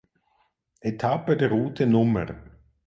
Etappe der Route Nr.